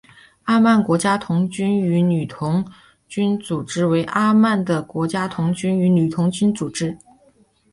阿曼国家童军与女童军组织为阿曼的国家童军与女童军组织。